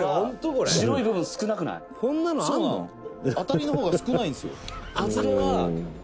「当たりの方が少ないんですよ」